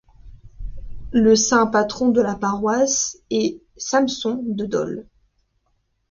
Le Saint patron de la paroisse est Samson de Dol.